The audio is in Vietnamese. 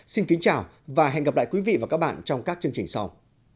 xin kính chào và hẹn gặp lại quý vị và các bạn trong các chương trình sau